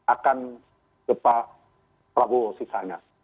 akan depak prabowo sisanya